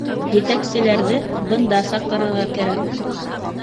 — Етәкселәрҙе бында саҡырырға кәрәк